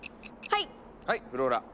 はいフローラ。